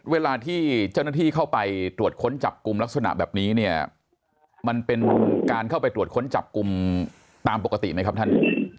เวลาที่เจ้าหน้าที่เข้าไปตรวจค้นจับกลุ่มลักษณะแบบนี้เนี่ยมันเป็นการเข้าไปตรวจค้นจับกลุ่มตามปกติไหมครับท่าน